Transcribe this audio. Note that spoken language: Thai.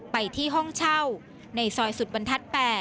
ไปที่ห้องเช่าในซอยสุดบรรทัศน์๘